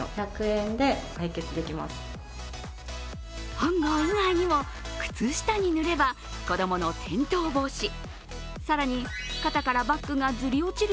ハンガー以外にも靴下に塗れば子供の転倒防止、更に肩からバッグがずり落ちる